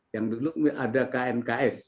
yang dulu ada knks